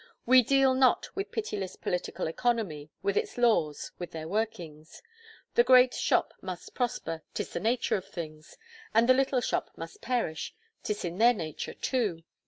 We deal not with pitiless political economy, with its laws, with their workings. The great shop must prosper; 'tis in the nature of things; and the little shop must perish 'tis in their nature too.